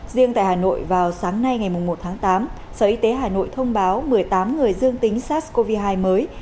riêng tại hà nội vào sáng nay ngày một tháng tám sở y tế hà nội thông báo một mươi tám người dương tính sars cov hai mới